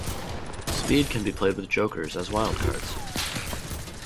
Speed can be played with jokers as wild cards.